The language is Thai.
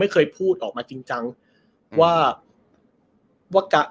ไม่เคยพูดออกมาจริงจังว่า